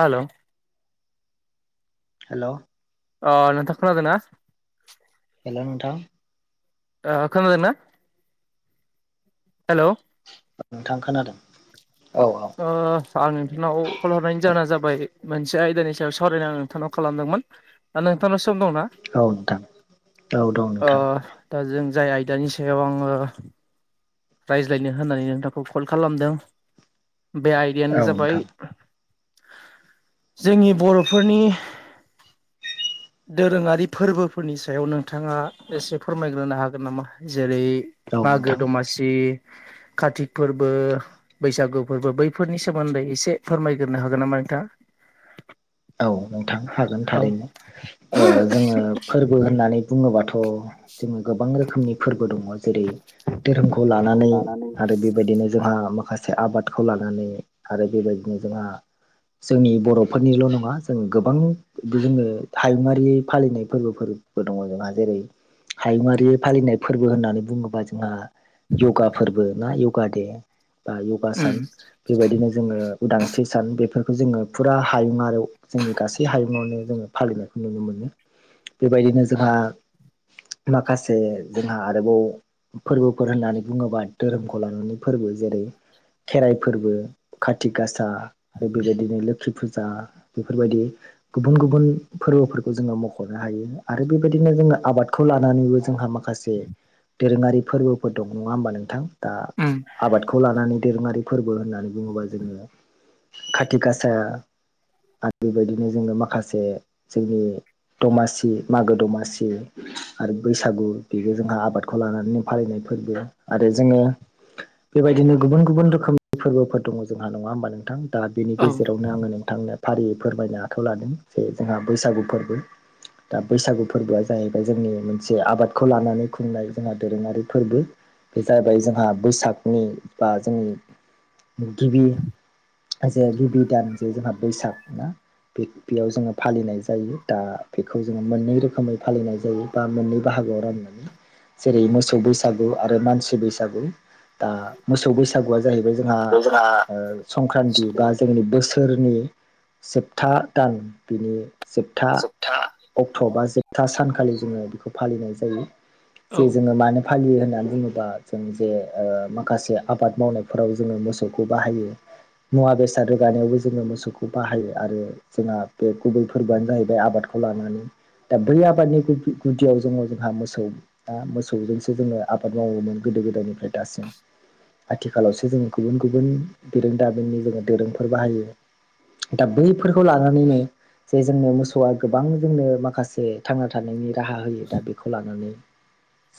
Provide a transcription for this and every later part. हाल' हेल' अ नोंथां खोनादो ना? हेल' नोंथां? ओ खोनादोंना हेलौ? ओ नोंथां खोनादों औ औ। ओ आं नोंथांनाव कल हरनायनि जाहोना जाबाय मोनसे आयदानि सायाव सावरायनो आङो नोंथांनाव खालामदोंमोन। दा नोंथांनाव सम दं ना? औ नोंथां औ दं अ नोंथां दा जों जाय आयदानि सायाव आङो रायज्लायनो होननानै नोंथांखौ कल खालामदों बे आइडायानो औ जाबाय नोंथां जोंनि बर'फोरनि दोरोङारि फोरबोफोरनि सायाव नोंथाङा एसे फोरमायग्रोनो हागोन नामा जेरै औ मागो नोंथां दमासि, कातिक फोरबो बैसागु फोरबो बैफोरनि सोमोन्दै इसे फोरमायग्रोनो हागोन नामा नोंथाङा? औ नोंथां हागोन औ थारैनो ओ जोङो फोरबो होननानै बुङोबाथ' जोङो गोबां रोखोमनि फोरबो दङ जेरै धोरोमखौ लानानै आरो बेबायदिनो जोंहा माखासे आबादखौ लानानै आरो बेबायदिनो जोंहा जोंनि बर'फोरनिल' न ङा जों गोबां बि जोङो हायुङारि फालिनाय फोरबोफोरबो दङ जोंहा जेरै हायुङारि फालिनाय फोरबो होननानै बुङोबा जोंहा य'गा फोरबो ना य'गा दे। बा य'गा उम सान बेबायदिनो जोङो उदांस्रि सान बेफोरखौ जोङो फुरा हायुं आरो जोंनि गासै हायुङावनो जोङो फालिनायखौ नुनो मोनो। बेबायदिनो जोंहा माखासे जोंहा आरोबाव फोरबोफोर होननानै बुङोबा धोरोमखौ लानानै फोरबो जेरै खेराइ फोरबो, काति गासा आरो बेबायदिनो लोखि फुजा। बेफोरबायदि गुबुन खासे दोरोङारि फोरबोफोर दं नङा होमबा नोंथां दा उम आबादखौ लानानै दोरोङारि फोरबो होननानै बुङोबा जोङो खाथि गासा आरो बेबायदिनो जोङो माखासे जोंनि दमासि मागो दमासि आरो बैसागु बेबो जोंहा आबादखौ लानानैनो फालिनाय फोरबो आरो जोङो बेबायदिनो गुबुन गुबुन रोखोमनि फोरबोफोर दङ जोंहा नङा होमबा नोंथां। दा बेनि औ गेजेरावनो आङो नोंथांनो फारियै फोरमायनो आखायाव लादों जे जोंहा बैसागु फोरबो। दा बैसागु फोरबोआ जाहैबाय जोंनि मोनसे आबादखौ लानानै खुंनाय जोंहा दोरोङारि फोरबो। बे जाहैबाय जोंहा बैसागनि बा जोंनि। गिबि जे गिबि दान जे जोंहा बैसाग ना। बेयाव जोङो फालिनाय जायो दा बेखौ जोङो मोननै रोखोमै फालिनाय जायो। मोननै बाहागोआव राननानै जेरै मोसौ बै। बैसागु आरो मानसि बैसागु दा मोसौ बैसागुआ जाहैबाय जोंहा। संक्रान्ति बा जोंनि बोसोरनि। जोबथा दान बिनि जोबथा। अक्ट' बा जोबथा सानखालि जोङो बेखौ फालिनाय जायो औ जे जोङो मानो। फालियो होननानै बुङोबा जों जे माखासे आबाद मावनायफोराव जोङो मोसौखौ बाहायो। मुवा बेस रोगानायावबो जोङो मोसौखौ। बाहायो आरो जोंहा बे गुबै फोरबोआनो जाहैबाय आबादखौ लानानै। दा बै आबादनि गुदियाव जोङो जोंहा मोसौ। दा मोसौजोंसो जोङो आबाद मावोमोन गोदो गोदायनिफ्राय दासिम। आथिखालावसो जोङो गुबुन गुबुन दरोंदामिननि जोङो दोरोंफोर बाहायो। दा बैफोरखौ लानानैनो जे जोंनो मोसौआ गोबां जोंनो माखासे थांना थानायनि। राहा होयो दा बेखौ लानानै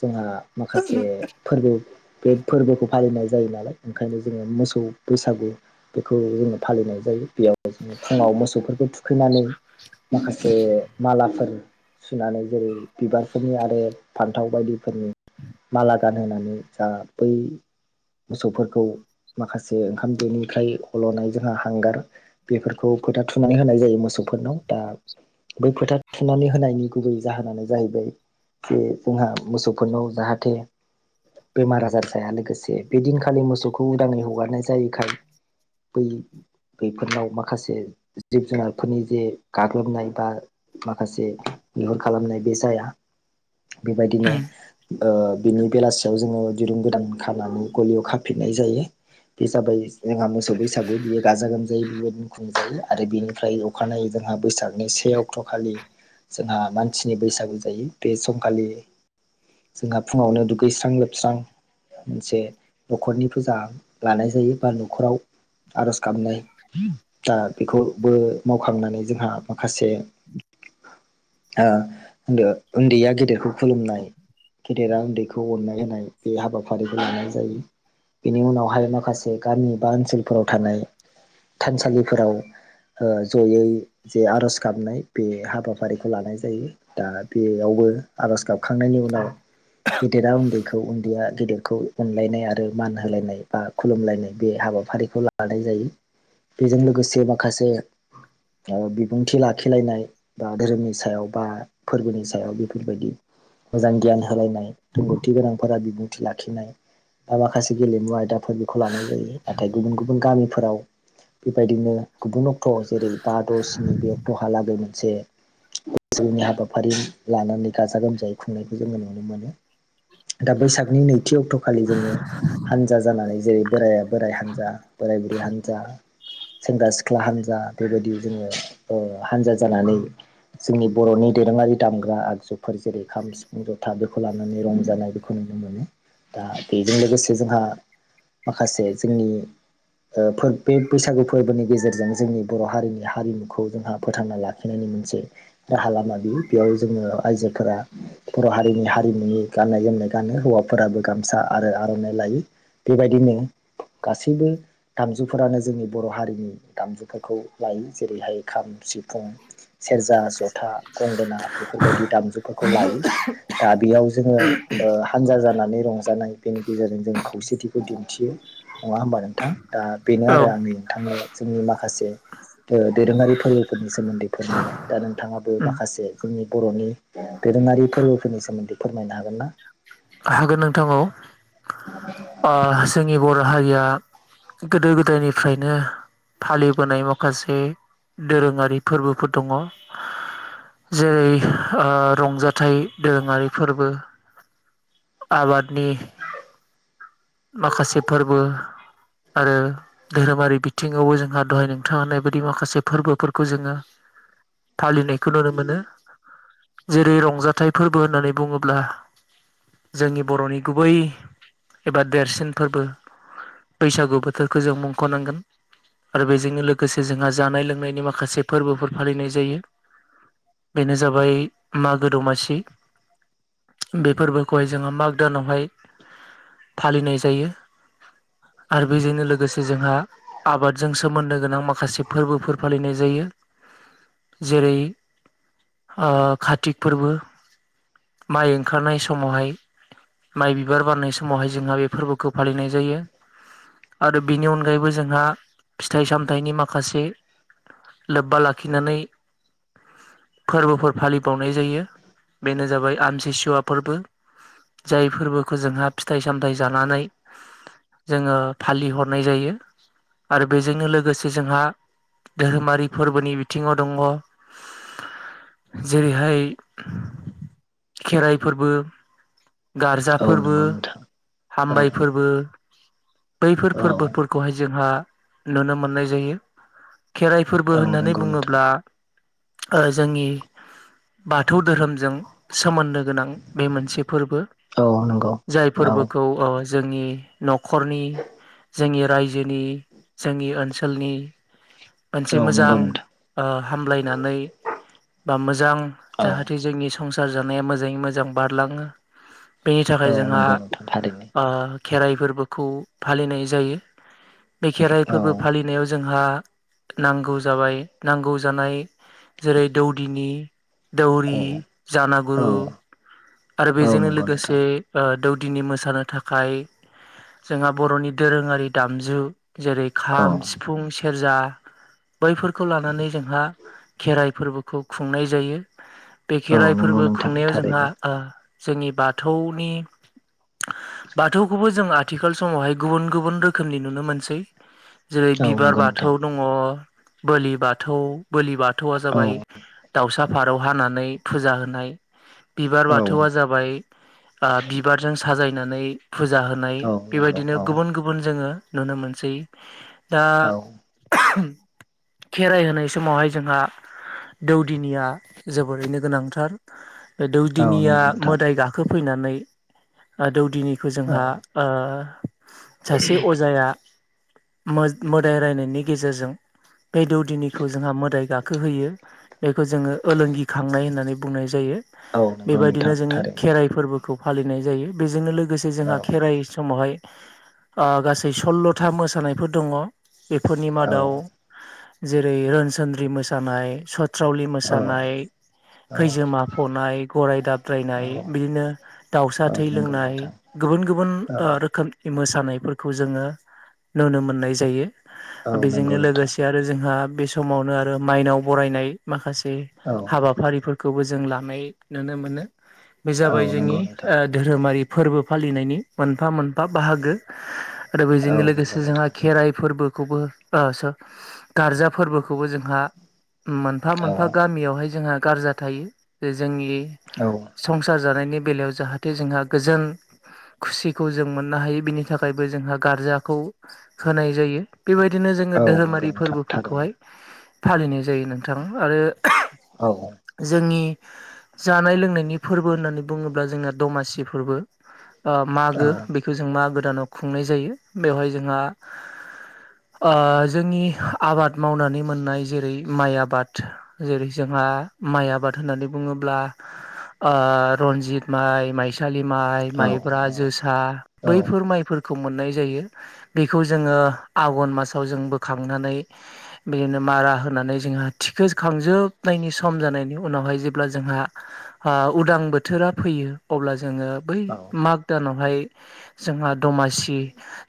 जोंहा माखासे। फोरबो बे फोरबोखौ फालिनाय जायो नालाय ओंखायनो जोङो मोसौ बैसागु। बेखौ जोङो फालिनाय जायो बेयाव। फुङाव मोसौफोरखौ थुखैनानै माखासे मालाफोर। सुनानै जेरै बिबारफोरनि आरो फान्थाव बायदिफोरनि। माला गानहोनानै जा बै। मोसौफोरखौ माखासे ओंखाम दैफ्राय हल'नाय जोंहा हांगार। बेफोरखौ फोथा थुनानै होनाय जायो मोसौफोरनाव दा बै फोथा थुनानै होनायनि गुबै। जाहोनानो जाहैबाय जे जोंहा मोसौफोरनाव जाहाथे। बेमार आजार जाया लोगोसे बेदिनखालि मोसौखौ उदाङै हगारनाय जायैखाय। बै बेफोरनाव। माखासे जिब जुनारफोरनि जे गाग्लोबनाय बा। माखासे बिहुन खालामनाय बे जाया बेबायदिनो। उम बिनि बेलासियाव जोङो दिरुं गोदान खानानै गलियाव खाफिननाय जायो। बे जाबाय जोंहा मोसौ बैसागु बियो गाजा गोमजायै बे। खुंजायो आरो बेनिफ्राय अखानायै जोंहा बैसागनि से अक्ट' खालि। जोंहा मानसिनि बैसागु जायो बे समखालि। जोंहा फुङावनो दुगैस्रां लोबस्रां। मोनसे न'खरनि फोजा लानाय जायो बा न'खराव। आर'ज गाबनाय। दा बेखौबो मावखांनानै जोंहा माखासे। ओ उन्दु-उन्दैया गेदेरखौ खुलुमनाय। गेदेरा उन्दैखौ अननाय होनाय बे हाबाफारिखौ लानाय जायो। बेनि उनावहाय माखासे गामि बा ओनसोलफोराव थानाय। सालिफोराव ओ जयै जे आर'ज गाबनाय बे हाबाफारिखौ लानाय जायो दा बेयावबो आर'ज गाब। हखांनायनि उनाव गेदेरा उन्दैखौ उन्दैया गेदेरखौ। अनलायनाय आरो मान होलायनाय बा खुलुमलायनाय बे हाबाफारिखौ लानाय जायो। बेजों लोगोसे माखासे। ओ बिबुंथि लाखिलायनाय बा धोरोमनि सायाव बा फोरबोनि सायाव बेफोरबायदि। मोजां गियान होलायनाय रोंगौथि गोनांफोरा बिबुंथि लाखिनाय। दा माखासे गेलेमु आयदाफोर बेखौ लानाय जायो नाथाय गुबुन गुबुन गामिफोराव। बेबायदिनो गुबुन अक्ट' जेरै बा द' स्नि बे अक्ट'हालागै मोनसे जिउनि हाबाफारि लानानै गाजा गोमजायै खुंनायखौ जोङो नुनो मोनो दा बैसागनि नैथि अक्ट'खालि जोङो हानजा जानानै जेरै बोराइ बोराइ हान्जा बोराय बुरै हान्जा सेंग्रा सिख्ला हानजा बेबायदि जोङो ओ हानजा जानानै जोंनि बर'नि दोरोङारि दामग्रा आगजु फोर जेरै खाम सिफुं जथा बेखौ लानानै रंजानाय बेखौ नुनो मोनो। दा बेजों लोगोसे जोंहा माखासे जोंनि ओ फोर बे बैसागु फोरबोनि गेजेरजों जोंनि बर' हारिनि हारिमुखौ जोंहा फोथांना लाखिनायनि मोनसे राहा लामा बियो बेयाव जोङो आइजोफोरा बर' हारिनि हारिमुनि गाननाय जोमनाय गानो हौवाफोराबो गामसा आरो आर'नाइ लायो। बेबायदिनो गासैबो दामजुफोरानो जोंनि बर' हारिनि दामजुफोरखौ लायो जेरैहाय खाम सिफुं सेरजा जथा गंगोना बेफोरबायदि दामजुफोरखौ लायो। दा बेयाव जोङो ओ हानजा जानानै रंजानाय बेनि गेजेरजों जों खौसेथिखौ दिन्थियो। नङा होमबा नोंथां दा बेनो औ आरो आंनि नोंथांनो जोंनि माखासे ओ दोरोङारि फोरबोफोरनि सोमोन्दै फोरमायनाय दा नोंथाङाबो उम माखासे जोंनि बर'नि दोरोङारि फोरबोफोरनि सोमोन्दै फोरमायनो हागोन ना हागोन नोंथां औ जोंनि बर' हारिया गोदो गोदायनिफ्रायनो फालिबोनाय माखासे दोरोङारि फोरबोफोर दङ। जेरै ओ रंजाथाइ दोरोङारि फोरबो आबादनि माखासे फोरबो आरो धोरोमारि बिथिङावबो जोंहा दहाय नोंथां होनानाय बायदि माखासे फोरबोफोरखौ जोङो फालिनायखौ नुनो मोनो। जेरै रंजाथाइ फोरबो होननानै बुङोब्ला जोंनि बर'नि गुबै एबा देरसिन फोरबो बैसागु बोथोरखौ जों मुंख'नांगोन। आरो बेजोंनो लोगोसे जोंहा जानाय लोंनायनि माखासे फोरबोफोर फालिनाय जायो। बेनो जाबाय मागो दमासि। बे फोरबोखौहाय जोङो माग दानावहाय फालिनाय जायो आरो बेजोंनो लोगोसे जोंहा आबादजों सोमोन्दो गोनां माखासे फोरबोफोर फालिनाय जायो। जेरै ओ कातिक फोरबो माइ ओंखारनाय समावहाय माइ बिबार बारनाय समावहाय जोंहा बे फोरबोखौ फालिनाय जायो। आरो बिनि अनगायैबो जोंहा फिथाइ सामथाइनि माखासे लोब्बा लाखिनानै फोरबोफोर फालिबावनाय जायो बेनो जाबाय आमथिसुवा फोरबो। जाय फोरबोखौ जोंहा फिथाइ सामथाइ जानानै जोङो फालिहरनाय जायो आरो बेजोंनो लोगोसे जोंहा धोरोमारि फोरबोनि बिथिङाव दङ जेरैहाय खेराइ फोरबो गारजा औ फोरबो नंगौ नोंथां औ हामबाय फोरबो बैफोर औ फोरबोफोरखौहाय जोंहा नुनो मोननाय जायो खेराइ फोरबो औ होननानै नंगौ नोंथां बुङोब्ला ओ जोंनि बाथौ धोरोमजों सोमोन्दो गोनां बे मोनसे फोरबो औ नंगौ जाय औ फोरबोखौ अ जोंनि न'खरनि जोंनि रायजोनि जोंनि ओनसोलनि मोनसे औ मोजां नंगौ नोंथां ओ हामलायनानै बा मोजां औ जाहाथे जोंनि संसार जानाया मोजाङै मोजां बारलाङो। बेनि औ थाखाय जोंहा नंगौ नोंथां थारैनो ओ खेराइ फोरबोखौ फालिनाय जायो। बे खेराइ औ फोरबो फालिनायाव जोंहा नांगौ जाबाय नांगौ जानाय जेरै दौदिन, दौरि औ औ जानागुरु आरो औ बेजोंनो नंगौ नोंथां लोगोसे दौदिनि मोसानो थाखाय जोंहा बर'नि दोरोङारि दामजु जेरै औ खाम, सिफुं, सेरजा बैफोरखौ लानानै जोंहा खेराइ फोरबोखौ खुंनाय जायो। बे औ खेराइ नंगौ फोरबो नोंथां खुंनायाव जोंहा थारैनो ओ जोंनि बाथौनि बाथौखौबो जों आथिखाल समावहाय गुबुन गुबुन रोखोमनि नुनो मोनसै जेरै औ बिबार नंगौ नोंथां बाथौ दङ, बोलि बाथौ बोलि बाथौआ औ जाबाय दाउसा फारौ हानानै फुजा होनाय बिबार औ बाथौआ जाबाय आ बिबारजों साजायनानै फुजा होनाय औ नंगौ बेबायदिनो औ गुबुन गुबुन जोङो नुनो मोनसै। दा औ खेराइ होनाय समावहाय जोंहा दौदिनिया जोबोरैनो गोनांथार औ दौदिनिया नंगौ नोंथां मोदाय गाखोफैनानै दौदिनिखौ औ जोंहा ओ सासे अजाया मोदाय रायनायनि गेजेरजों बे दौदिनिखौ जोंहा मोदाय गाखोहोयो बेखौ जोङो लोंगिखांनाय होननानै बुंनाय जायो। औ नंगौ बेबायदिनो नोंथां जोङो थारैनो खेराइ फोरबोखौ फालिनाय जायो। बेजोंनो लोगोसे औ जोंहा खेराइ समावहाय अ गासै सल्ल'था मोसानायफोर दङ। बेफोरनि औ मादाव जेरै रोनसोनद्रि मोसानाय, सथ्रावलि औ मोसानाय, औ खैजेमा फनाय, गराय औ दाबद्रायनाय बिदिनो दाउसा औ थै नंगौ लोंनाय नोंथां गुबुन गुबुन औ रोखोम मोसानायफोरखौ जोङो नुनो मोननाय जायो। औ बेजोंनो नंगौ नोंथां लोगोसे आरो जोंहा बे समावनो आरो माइनाव बरायनाय माखासे औ हाबाफारिफोरखौबो जों लानाय नुनो मोनो। बे औ जाबाय जोंनि नंगौ नोंथां ओ धोरोमारि फोरबो फालिनायनि मोनफा मोनफा बाहागो। आरो औ बेजोंनो नंगौ लोगोसे जोंहा नोंथां खेराइ फोरबोखौबो ओ स गारजा फोरबोखौबो जोंहा मोनफा औ मोनफा गामियावहाय जोंहा गारजा थायो जे जोंनि औ संसार जानायनि बेलायाव जाहाथे जोंहा गोजोन खुसिखौ जों मोननो हायो बिनि थाखायबो जोंहा गारजाखौ होनाय जायो। बेबायदिनो जोङो औ नंगौ धोरोमारि नोंथां थारैनो फोरबोफोरखौहाय फालिनाय जायो नोंथां आरो औ औ जोंनि जानाय लोंनायनि फोरबो होननानै बुङोब्ला जोंना दमासि फोरबो औ मागो बेखौ जों मागोदानाव खुंनाय जायो। बेवहाय जोंहा ओ जोंनि आबाद मावनानै मोननाय जेरै माइ आबाद जेरै जोंहा माइ आबाद होननानै बुङोब्ला ओ रनजिद माइ, माइस माइसालि माइ औ माइब्रा औ जोसा बैफोर औ माइफोरखौ मोननाय जायो बेखौ जोङो आघन मासाव जों बोखांनानै बिदिनो मारा होनानै जोंहा थिखो खांजोबनायनि सम जानायनि उनावहाय जे अब्ला जोंहा ओ उदां बोथोरा फैयो अब्ला जोङो बै माघ दानावहाय जोंहा दमासि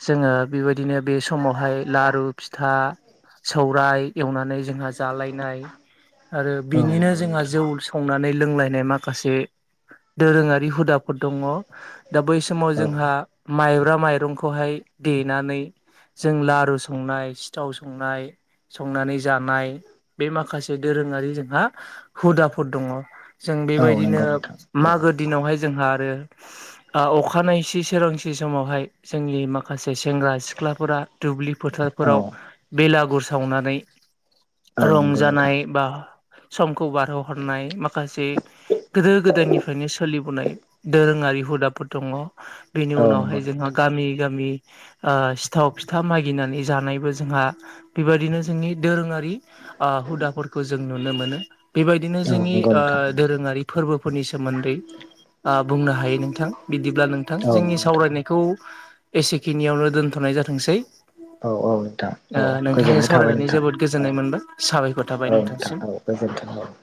जोङो बेबायदिनो बे समावहाय लारु फिथा सौराइ एवनानै जोंहा जालायनाय आरो औ बिनिनो नंगौ जोंहा नोंथां जौ संनानै लोंलायनाइ माखासे दोरोङारि हुदाफोर दङ' दा बै समाव औ जोंहा माइब्रा माइरंखौहाय देनानै जों लारु संनाय सिथाव संनाय संनानै जानाय बे माखासे दोरोङारि जोंहा हुदा फोर दङ जों औ बेबायदिनो नंगौ नोंथां औ मागो दिनावहाय जोंहा आरो अखानाय सि सोरांसि समावहाय जोंनि माखासे सेंग्रा सिख्लाफोरा दुब्लि औ फोथारफोराव बेलागुर सावनानै औ नंगौ नोंथां रंजानाय बा समखौ बारहो ह हरनाय माखासे गोदो गोदायनिफ्रायनो सोलिबोनाय दोरोङारि हुदाफोर दङ बेनि औ नंगौ उनावहाय जोंहा नोंथां गामि गामि सिथाव फिथा मागिनानै जानायबो जोंहा बेबायदिनो जोंनि दोरोङारि ओ हुदाफोरखौ जों नुनो मोनो बिदिनो जोंनि औ नंगौ नोंथां औ नंगौ ओ नोंथां दोरोङारि फोरबोफोरनि सोमोन्दै ओ बुंनो हायो नोंथां बिदिब्ला नोंथां जोंनि सावरायनायखौ एसेखिनियावनो दोनथ'नाय जाथोंसै औ औ नोंथां ओ औ नोंथांनो गोजोननाय थाबाय सावरायनानै नोंथां जोबोद गोजोननाय मोनबाय साबायखर थाबाय नोंथांसिम गोजोनथों